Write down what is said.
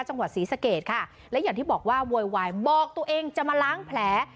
จังหวัดศรีสะเกดค่ะและอย่างที่บอกว่าโวยวายบอกตัวเองจะมาล้างแผล